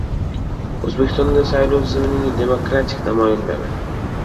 O‘zbekistonda saylov tizimining demokratik tamoyillari